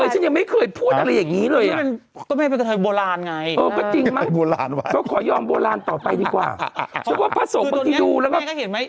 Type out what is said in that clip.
ฉันว่าผสมที่ดูแล้วว่า